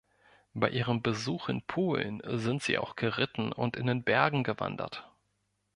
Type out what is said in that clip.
Bei ihrem Besuch in Polen sind sie auch geritten und in den Bergen gewandert.